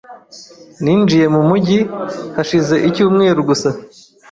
Ninjiye mu mujyi hashize icyumweru gusa .